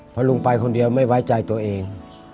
เพราะลุงไปคนเดียวไม่ไว้ใจตัวเอง